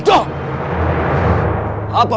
tidak ada apa apa